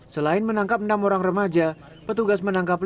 petugas menangkap lima orang remaja yang diduga terlibat dalam tawuran